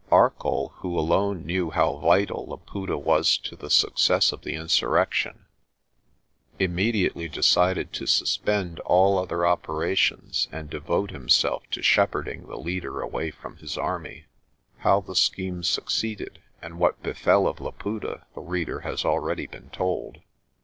Arcoll, who alone knew how vital Laputa was to the success of the insurrection, immediately 258 PRESTER JOHN decided to suspend all other operations and devote himself to shepherding the leader away from his army. How the scheme succeeded and what befell of Laputa the reader has already been told.